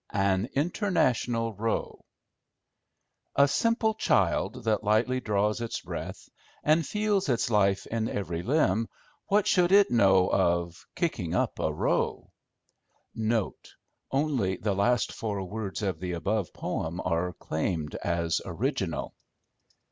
An International Row "A simple child That lightly draws its breath, And feels its life in every limb, What should it know of——" kicking up a row (Note.—Only the last four words of the above poem are claimed as original.)